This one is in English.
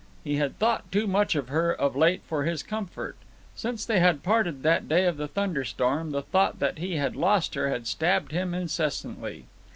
He had thought too much of her of late for his comfort. Since they had parted that day of the thunder storm the thought that he had lost her had stabbed him incessantly.